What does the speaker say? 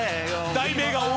題名が。